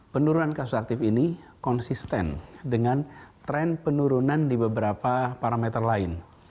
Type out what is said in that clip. penurunan kasus aktif ini konsisten dengan tren penurunan di beberapa parameter lain